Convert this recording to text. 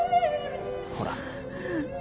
ほら。